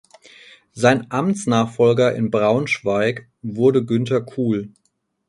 Sein Amtsnachfolger in Braunschweig wurde Günter Kuhl.